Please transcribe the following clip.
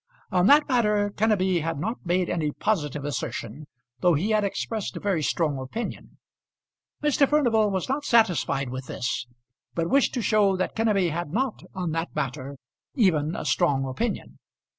On that matter Kenneby had not made any positive assertion, though he had expressed a very strong opinion. Mr. Furnival was not satisfied with this, but wished to show that Kenneby had not on that matter even a strong opinion.